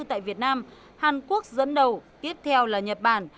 tại việt nam hàn quốc dẫn đầu tiếp theo là nhật bản